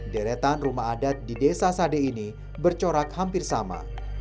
deretan rumah adat di desa sade ini bercorak hampir sama